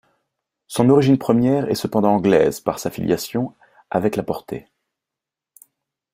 Son origine première est cependant anglaise par sa filiation avec la porter.